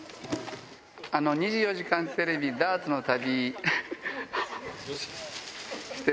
２４時間テレビダーツの旅。